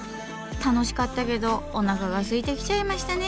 楽しかったけどおなかがすいてきちゃいましたね。